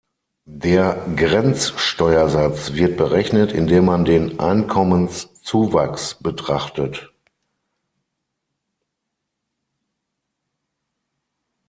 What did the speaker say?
Der Grenzsteuersatz wird berechnet, indem man den Einkommens"zuwachs" betrachtet.